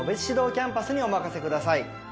キャンパスにお任せください。